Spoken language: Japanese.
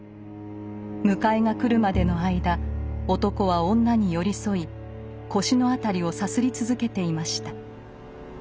迎えが来るまでの間男は女に寄り添い腰の辺りをさすり続けていました。